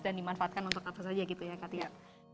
dan dimanfaatkan untuk apa saja gitu ya katia